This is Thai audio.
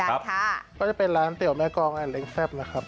ก็จะเป็นร้านเตี๋ยวแม่กองแอนเล้งแซ่บนะครับ